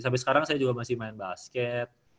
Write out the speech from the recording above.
sampai sekarang saya juga masih main basket